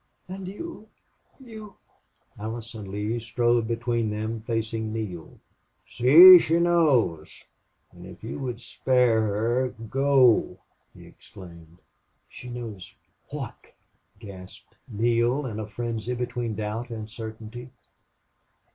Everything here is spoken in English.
"And you you " Allison Lee strode between them facing Neale. "See! She knows... and if you would spare her go!" he exclaimed. "She knows what?" gasped Neale, in a frenzy between doubt and certainty.